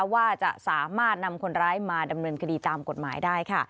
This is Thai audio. ว่าจะสามารถนำคนร้ายมาดำเนินคดีตามกฎหมายได้ค่ะ